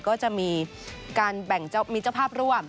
ก็จะมีการแบ่งมีเจ้าภาพร่วม